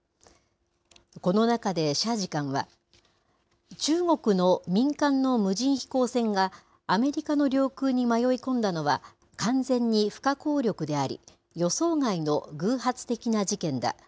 この中で謝次官は、中国の民間の無人飛行船が、アメリカの領空に迷い込んだのは完全に不可抗力であり、予想外の偶発的な事件だ。